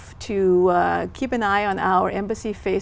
dù ông ấy đến nhiều năm trước